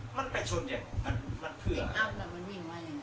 มันไปชนเนี่ยมันเผื่อ